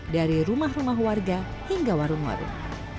dari rumah rumah warga hingga warung warung